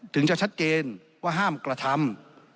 ถึงจะชัดเจนว่าห้ามกระทำ